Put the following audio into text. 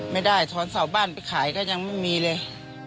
ไม่ได้ถอนเสาบ้านไปขายก็ยังไม่มีเลย